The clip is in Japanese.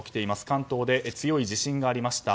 関東で強い地震がありました。